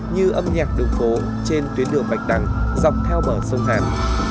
như âm nhạc đường phố trên tuyến đường bạch đằng dọc theo bờ sông hàn